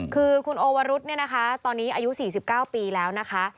คือคุณโอวรุษเนี่ยนะคะตอนนี้อายุ๔๙ปีแล้วนะคะ